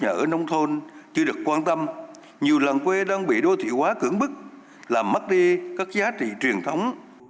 những tồn tại hạn chế của nông thôn chưa được quan tâm nhiều lần quê đang bị đô thị hóa cứng bức làm mất đi các giá trị truyền thống